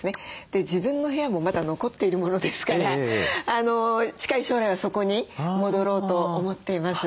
で自分の部屋もまだ残っているものですから近い将来はそこに戻ろうと思っています。